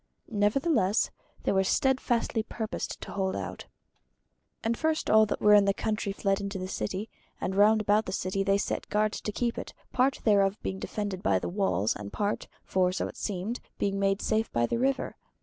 Nevertheless they were steadfastly purposed to hold out. And first all that were in the country fled into the city, and round about the city they set guards to keep it, part thereof being defended by walls, and part, for so it seemed, being made safe by the river.